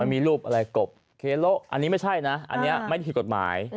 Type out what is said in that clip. มีรูปอะไรกบเคโละอันนี้ไม่ใช่นะอันนี้ไม่ผิดกฎหมาย